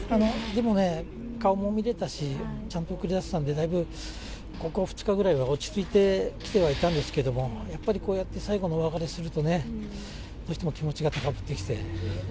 でもね、顔も見れたし、ちゃんと送り出せたんで、だいぶ、ここ２日ぐらいは落ち着いてきてはいたんですけども、やっぱりこうやって最後のお別れするとね、どうしても気持ちが高ぶってきて。